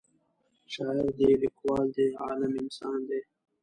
شاعر دی لیکوال دی عالم انسان دی